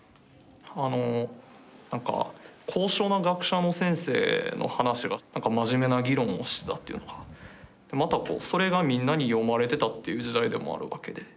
あのなんか高尚な学者の先生の話がなんか真面目な議論をしてたというのがまたそれがみんなに読まれてたっていう時代でもあるわけで。